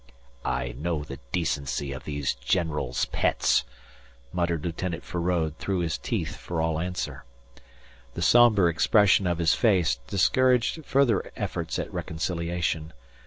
"I know the decency of these generals' pets," muttered Lieutenant Feraud through his teeth for all answer. The sombre expression of his face discouraged further efforts at reconciliation.